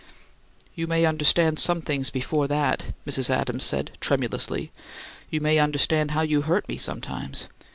"You may understand some things before that," Mrs. Adams said, tremulously. "You may understand how you hurt me sometimes.